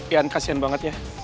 ian kasian banget ya